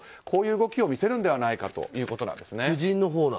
こういう動きを見せるのではないかということです。